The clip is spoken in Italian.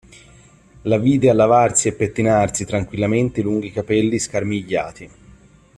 La vide a lavarsi e pettinarsi tranquillamente i lunghi capelli scarmigliati.